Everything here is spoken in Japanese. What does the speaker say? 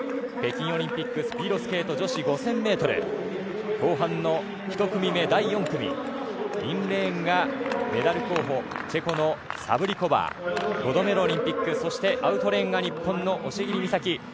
北京オリンピックスピードスケート女子５０００ｍ後半の１組目、第４組インレーンが、メダル候補チェコのサブリコバー５度目のオリンピックそしてアウトレーンが日本の押切美沙紀。